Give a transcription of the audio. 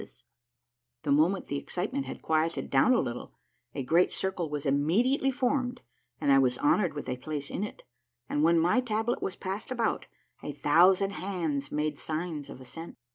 138 A MARVELLOUS UNDERGROUND JOURNEY The moment the excitement had quieted down a little, a Great Circle was immediately formed, and I was honored with a place in it, and when my tablet was passed about, a thousand hands made signs of assent.